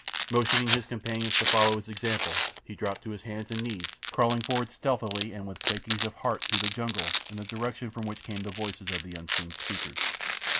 Motioning his companions to follow his example, he dropped to his hands and knees, crawling forward stealthily and with quakings of heart through the jungle in the direction from which came the voices of the unseen speakers.